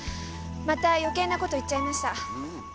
また余計なこと言っちゃいました。